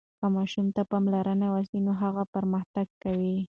که ماشوم ته پاملرنه وسي نو هغه پرمختګ کوي.